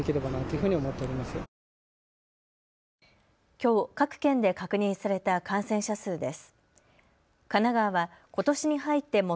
きょう各県で確認された感染者数です。